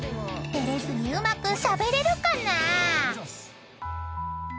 照れずにうまくしゃべれるかな？］